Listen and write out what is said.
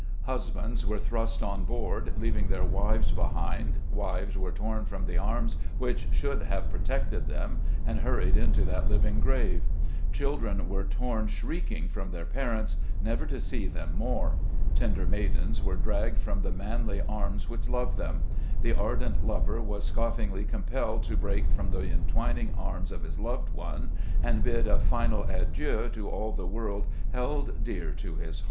Husbands were thrust on board, leaving their wives behind; wives were torn from the arms which should have protected them, and hurried into that living grave; children were torn shrieking from their parents, never to see them more ; tender maidens were dragged from the manly hearts which loved them; the ardent lover was scoffingly compelled to break from the entwining arms of his loved one, and bid a final adieu to all the world held dear to his heart.